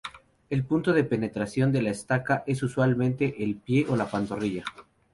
El punto de penetración de la estaca, es usualmente el pie o la pantorrilla.